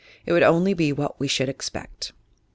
It would be only what we should expect.